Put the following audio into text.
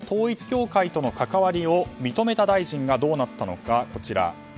そして、旧統一教会との関わりを認めた大臣がどうなったのか。